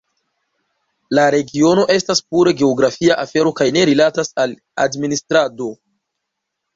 La regiono estas pure geografia afero kaj ne rilatas al administrado.